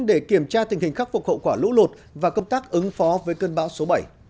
để kiểm tra tình hình khắc phục hậu quả lũ lụt và công tác ứng phó với cơn bão số bảy